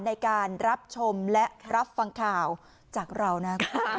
ในการรับชมและรับฟังข่าวจากเรานะ